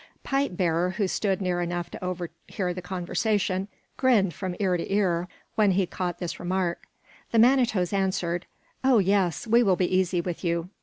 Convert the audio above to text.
Pipe bearer, who stood near enough to overhear the conversation, grinned from ear to ear when he caught this remark. The Manitoes answered: "Oh, yes, we will be easy with you."